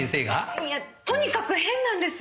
いやとにかく変なんです！